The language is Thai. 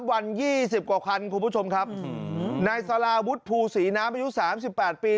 วันยี่สิบกว่าคันคุณผู้ชมครับในสาราวุฒุภูศรีน้ำอายุสามสิบแปดปี